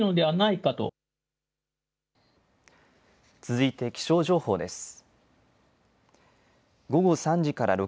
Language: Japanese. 続いて気象情報です。